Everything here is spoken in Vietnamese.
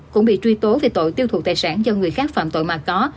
cũng bị truy tố về tội tiêu thụ tài sản do người khác phạm tội mà có